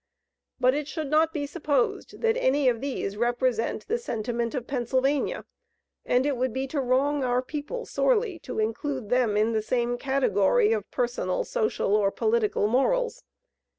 But it should not be supposed that any of these represent the sentiment of Pennsylvania, and it would be to wrong our people sorely, to include them in the same category of personal, social, or political morals.